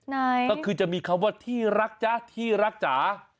ไหนก็คือจะมีคำว่าที่รักจ๊ะที่รักจ๋า